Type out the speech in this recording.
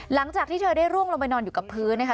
หลังจากที่เธอได้ร่วงลงไปนอนอยู่กับพื้นนะคะ